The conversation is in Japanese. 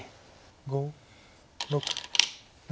５６７。